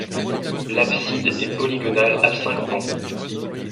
L'abside est polygonale à cinq pans.